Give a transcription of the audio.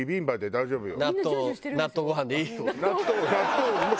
大丈夫よ。